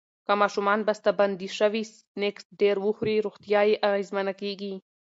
که ماشومان بستهبندي شوي سنکس ډیر وخوري، روغتیا یې اغېزمنه کېږي.